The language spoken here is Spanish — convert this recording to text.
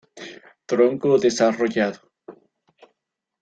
Tronco desarrollado.